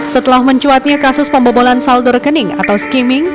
setelah mencuatnya kasus pembobolan saldo rekening atau skimming